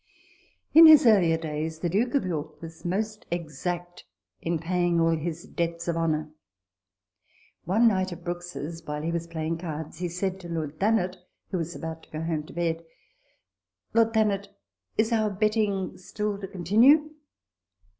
In his earlier days the Duke of York was most exact in paying all his debts of honour. One night at Brookes's, while he was playing cards, he said to Lord Thanet, who was about to go home to bed, " Lord Thanet, is our betting still to continue